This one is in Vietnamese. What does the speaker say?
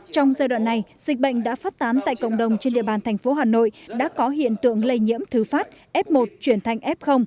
trong giai đoạn này dịch bệnh đã phát tán tại cộng đồng trên địa bàn thành phố hà nội đã có hiện tượng lây nhiễm thứ phát f một chuyển thành f